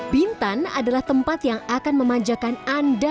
bintan adalah tempat yang akan memanjakan anda